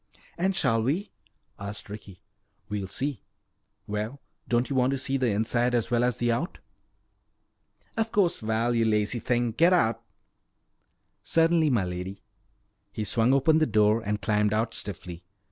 "And shall we?" asked Ricky. "We'll see. Well, don't you want to see the inside as well as the out?" "Of course! Val, you lazy thing, get out!" "Certainly, m'lady." He swung open the door and climbed out stiffly.